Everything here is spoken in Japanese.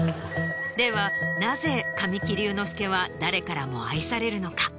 ではなぜ神木隆之介は誰からも愛されるのか？